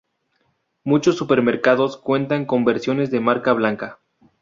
Muchos supermercados cuentan con versiones de marca blanca.